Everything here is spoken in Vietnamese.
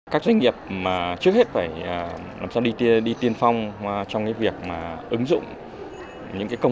các doanh nghiệp mà trước hết phải làm sao đi tiên phong trong cái việc mà ứng dụng những cái công